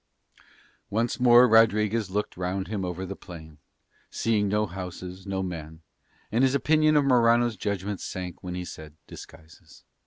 Once more Rodriguez looked round him over the plain, seeing no houses, no men; and his opinion of Morano's judgment sank when he said disguises.